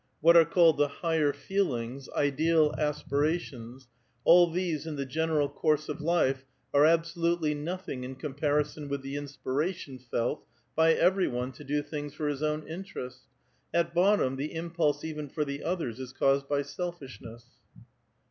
What are called the higher feel ings, ideal aspirations ; all these in the general course of life are absolutely nothing in comparison with the inspiration felt b}' every one to do things for his own interest. At bottom, the impulse even for the others is caused by selfish ness.'